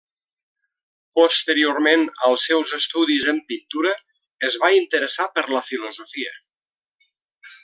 Posteriorment als seus estudis en pintura, es va interessar per la filosofia.